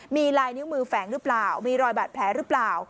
มีลายนิ้วมือแฝงหรือเปล่ามีรอยบาดแผลหรือเปล่า